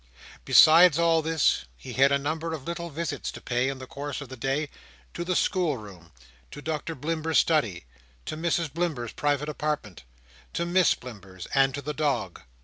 Besides all this, he had a number of little visits to pay, in the course of the day; to the schoolroom, to Doctor Blimber's study, to Mrs Blimber's private apartment, to Miss Blimber's, and to the dog.